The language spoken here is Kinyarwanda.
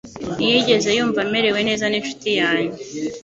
Ntiyigeze yumva amerewe neza n'inshuti yanjye